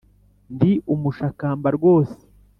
ndi umushakamba rwose